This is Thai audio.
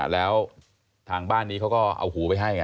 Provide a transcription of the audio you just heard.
แล้วทางบ้านนี้เขาก็เอาหูไปให้ไง